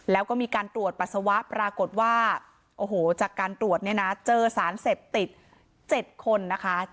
แล้วก็มีการตรวจปัสสาวะปรากฏว่าโอ้โหจากการตรวจเนี่ยนะเจอสารเสพติด๗คนนะคะ